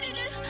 aduh aduh aduh